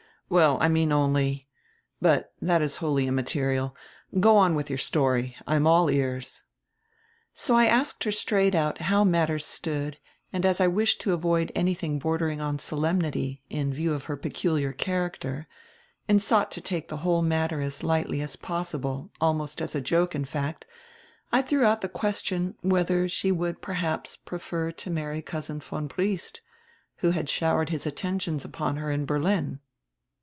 "Well, I mean only — But that is wholly immaterial. Go on with your story; I am all ears." "So I asked her straight out how matters stood, and as I wished to avoid anything bordering on solemnity, in view of her peculiar character, and sought to take the whole matter as lightly as possible, almost as a joke, in fact, I threw out the question, whether she would perhaps prefer to marry Cousin von Briest, who had showered his atten tions upon her in Berlin."